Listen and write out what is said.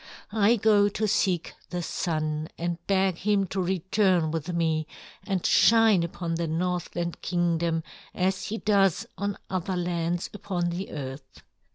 I go to seek the Sun and beg him to return with me and shine upon the Northland Kingdom as he does on other lands upon the earth.